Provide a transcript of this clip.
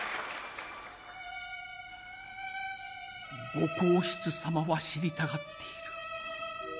御後室様は知りたがっている。